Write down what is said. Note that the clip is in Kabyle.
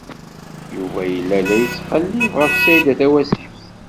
Yuba yella la yettqellib ɣef Saɛida Tawasift.